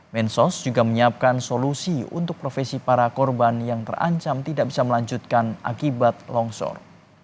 mensos juga menyiapkan solusi untuk profesi para korban yang terancam tidak bisa melanjutkan akibat longsor